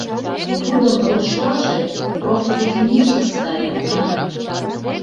Тудым рушлаже «профтехническая» маныт.